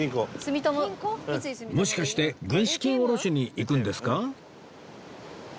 もしかして軍資金を下ろしに行くんですか？